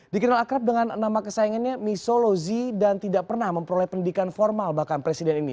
dikenal akrab dengan nama kesayangannya misolozi dan tidak pernah memperoleh pendidikan formal bahkan presiden ini